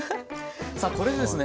さあこれでですね